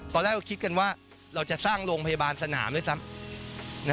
ตอนแรกก็คิดกันว่าเราจะสร้างโรงพยาบาลสนามด้วยซ้ำ